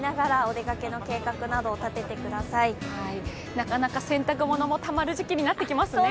なかなか洗濯物もたまってくる時季になりますね。